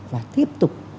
và tiếp tục